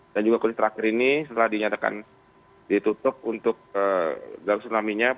dan juga kemudian terakhir ini setelah dinyatakan ditutup untuk garis tsunami nya